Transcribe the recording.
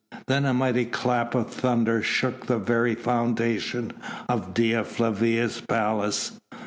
Then a mighty clap of thunder shook the very foundations of Dea Flavia's palace.